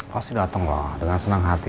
pasti datang loh dengan senang hati